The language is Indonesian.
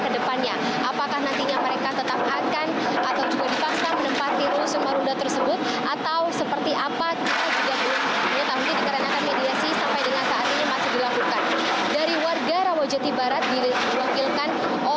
di rumah susun atau rusun marun